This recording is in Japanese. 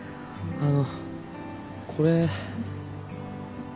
あのこれ。